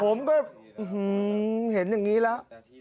ผมก็เห็นอย่างนี้แล้ว